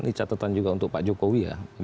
ini catatan juga untuk pak jokowi ya